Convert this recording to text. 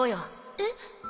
えっ？